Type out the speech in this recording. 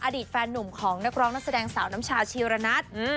อดีตแฟนหนุ่มของนักร้องนักแสดงสาวน้ำชาชีรณัท